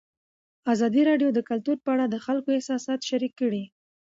ازادي راډیو د کلتور په اړه د خلکو احساسات شریک کړي.